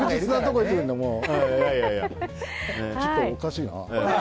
ちょっとおかしいな。